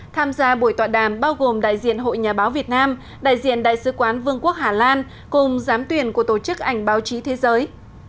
tham gia buổi tọa đàm bao gồm đại diện hội nhà báo việt nam đại diện đại sứ quán vương quốc hà lan cùng giám tuyển của tổ chức ảnh báo chí thế giới